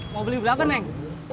mau beli berapa neng